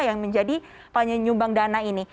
yang menjadi penyumbang dana ini